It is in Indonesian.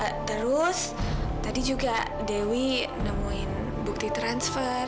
ya terus tadi juga dewi nemuin bukti transfer